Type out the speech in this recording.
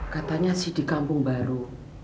katanya si di kampung baru